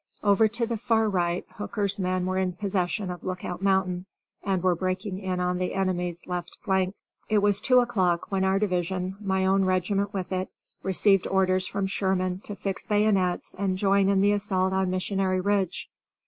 Over to the far right Hooker's men were in possession of Lookout Mountain, and were breaking in on the enemy's left flank. It was two o'clock when our division, my own regiment with it, received orders from Sherman to fix bayonets and join in the assault on Missionary Ridge.